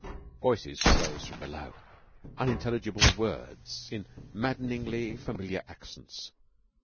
] Voices rose from below unintelligible words in maddeningly familiar accents.